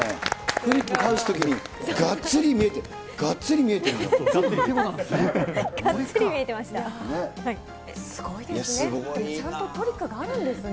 クリップ返すときにがっつり見えてる、がっつり見えてるんだもん。